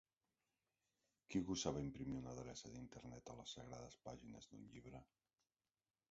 Qui gosava imprimir una adreça d'internet a les sagrades pàgines d'un llibre?